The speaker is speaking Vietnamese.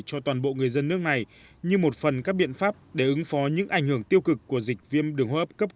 cho toàn bộ người dân nước này như một phần các biện pháp để ứng phó những ảnh hưởng tiêu cực của dịch viêm đường hô ấp cấp covid một mươi chín